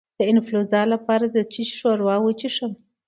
د انفلونزا لپاره د څه شي ښوروا وڅښم؟